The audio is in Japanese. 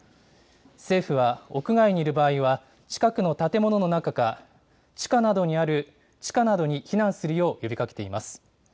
政府は屋外にいる場合は、近くの建物の中か、地下などに避難するよう呼びかけています。